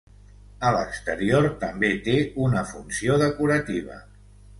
A l'exterior també té una funció decorativa.